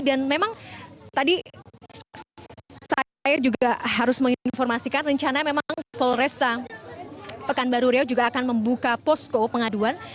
dan memang tadi saya juga harus menginformasikan rencana memang polresta pekanbaru riau juga akan membuka posko pengaduan